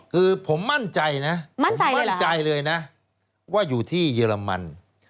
คือผมมั่นใจนะมั่นใจเลยนะว่าอยู่ที่เยอรมัน